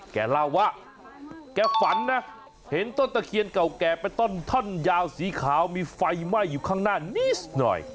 แกเล่าว่าแกฝันนะเห็นต้นตะเคียนเก่าแก่เป็นต้นท่อนยาวสีขาวมีไฟไหม้อยู่ข้างหน้านิดหน่อย